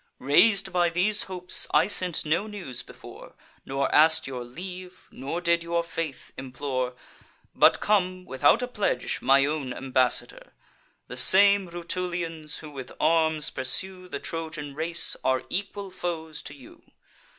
Rais'd by these hopes, I sent no news before, Nor ask'd your leave, nor did your faith implore; But come, without a pledge, my own ambassador. The same Rutulians, who with arms pursue The Trojan race, are equal foes to you.